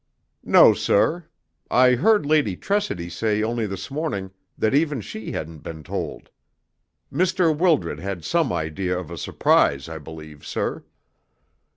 "No, sir. I heard Lady Tressidy say only this morning that even she hadn't been told. Mr. Wildred had some idea of a surprise, I believe, sir."